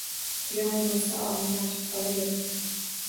Quyon bo’lsa og’zini ochib qolaveribdi